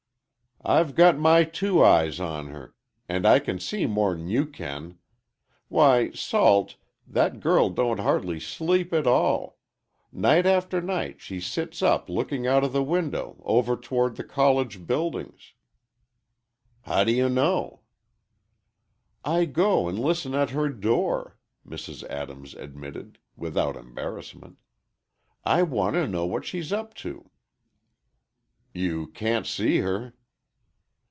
"I've got my two eyes on her, and I can see more'n you can. Why, Salt, that girl don't hardly sleep at all. Night after night, she sits up looking out of the window, over toward the college buildings—" "How do you know?" "I go and listen at her door," Mrs. Adams admitted, without embarrassment. "I want to know what she's up to." "You can't see her."